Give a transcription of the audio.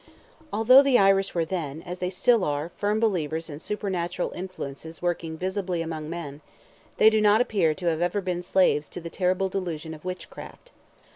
Although the Irish were then, as they still are, firm believers in supernatural influence working visibly among men, they do not appear to have ever been slaves to the terrible delusion of witchcraft.